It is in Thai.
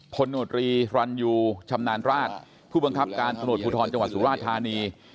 โนตรีรันยูชำนาญราชผู้บังคับการตำรวจภูทรจังหวัดสุราชธานี